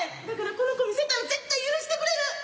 だからこの子見せたら絶対許してくれる。